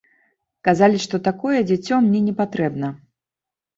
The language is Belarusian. Казалі, што такое дзіцё мне не патрэбна.